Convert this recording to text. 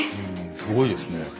すごいですね。